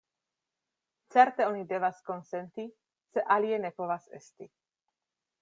Certe oni devas konsenti, se alie ne povas esti.